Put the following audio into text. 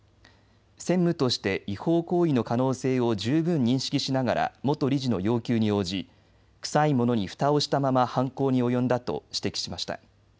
専務として違法行為の可能性を十分認識しながら元理事の要求に応じ、臭いものにふたをしたまま犯行に及んだと指摘しました。